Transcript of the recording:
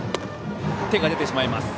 手が出てしまいました。